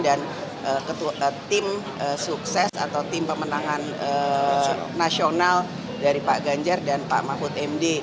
dan tim sukses atau tim pemenangan nasional dari pak ganjar dan pak mahfud md